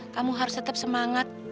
kamu harus tetap semangat